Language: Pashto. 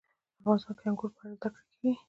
افغانستان کې د انګور په اړه زده کړه کېږي.